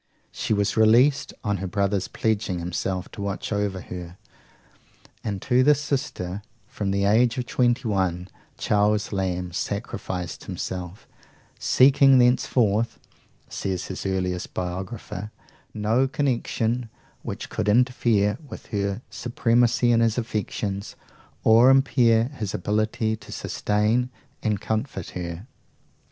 She was released on the brother's pledging himself to watch over her; and to this sister, from the age of twenty one, Charles Lamb sacrificed himself, "seeking thenceforth," says his earliest biographer, "no connexion which could interfere with her supremacy in his affections, or impair his ability to sustain and comfort her."